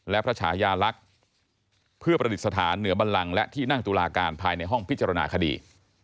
และพระชายาลักษณ์เพื่อประดิษฐานเหนือบันลังและที่นั่งตุลาการภายในห้องพิจารณาคดี